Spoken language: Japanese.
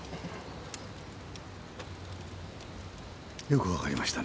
よく分かりましたね。